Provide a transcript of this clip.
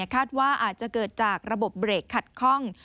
คาดว่าอาจจะเกิดจากระบบเบรกขัดข้อง